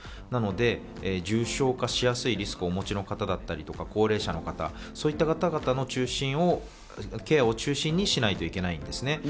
なので重症化しやすいリスクをお持ちの方だったり、高齢者の方、そういった方々のケアを中心にしないといけないんですね。